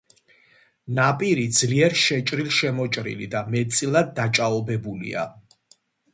ნაპირი ძლიერ შეჭრილ-შემოჭრილი და მეტწილად დაჭაობებულია.